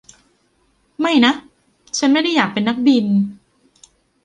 ไม่นะฉันไม่ได้อยากเป็นนักบิน